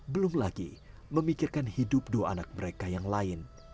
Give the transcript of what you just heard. belum lagi memikirkan hidup dua anak mereka yang lain